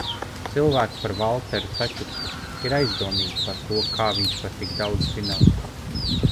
Cilvēki par Valteru sačukstas, ir aizdomīgi par to, kā viņš var tik daudz zināt.